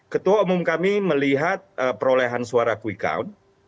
ketua umum kami melihat perolehan suara quick count